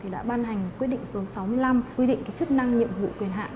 đã ban hành quyết định số sáu mươi năm quy định chức năng nhiệm vụ quyền hạn